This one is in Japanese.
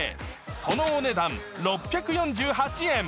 そのお値段６４８円。